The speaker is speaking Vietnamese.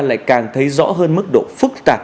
lại càng thấy rõ hơn mức độ phức tạp